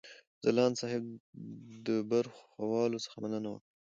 ځلاند صاحب د برخوالو څخه مننه وکړه.